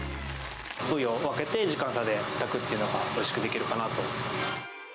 部位を分けて、時間差でたくっていうのがおいしくできるかなと。